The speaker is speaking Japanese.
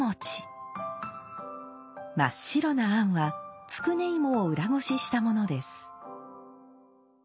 真っ白な餡はつくね芋を裏ごししたものです。